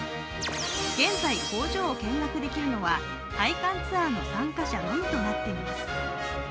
現在、工場を見学できるのは体感ツアーの参加者のみとなっています。